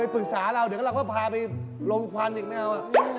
ปรึกษาเราเดี๋ยวเราก็พาไปลมควันอีกแนว